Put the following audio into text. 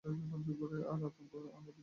তার আতঙ্ক আরো বৃদ্ধি পায়।